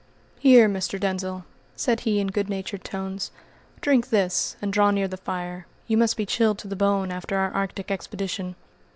"Here, Mr. Denzil," said he in good natured tones, "drink this and draw near the fire; you must be chilled to the bone after our Arctic expedition."